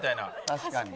確かに。